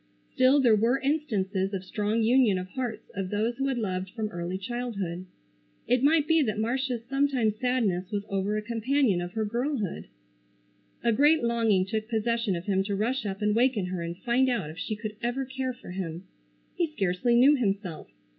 Still there were instances of strong union of hearts of those who had loved from early childhood. It might be that Marcia's sometime sadness was over a companion of her girlhood. A great longing took possession of him to rush up and waken her and find out if she could ever care for him. He scarcely knew himself.